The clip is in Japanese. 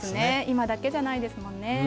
今だけじゃないですもんね。